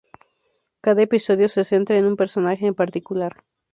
Cada episodio se centra en un personaje en particular.